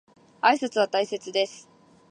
挨拶は大切です。